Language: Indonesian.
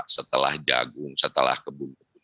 setelah jagung setelah kebun